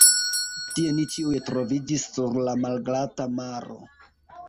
Tie ni ĉiuj troviĝis, sur la malglata maro!